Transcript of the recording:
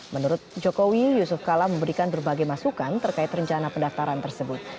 menurut jokowi yusuf kala memberikan berbagai masukan terkait rencana pendaftaran tersebut